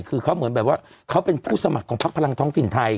คือเขาเหมือนแบบว่าเขาเป็นผู้สมัครของพักพลังท้องถิ่นไทย